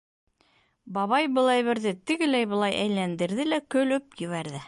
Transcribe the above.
Бабай был әйберҙе тегеләй-былай әйләндерҙе лә көлөп ебәрҙе.